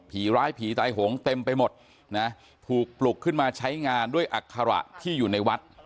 ร้ายผีตายหงเต็มไปหมดนะถูกปลุกขึ้นมาใช้งานด้วยอัคระที่อยู่ในวัด